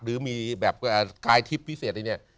หรือมีแบบกายทริปพิเศษอย่างเนี้ย